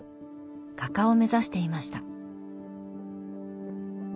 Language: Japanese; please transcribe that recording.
画家を目指していました。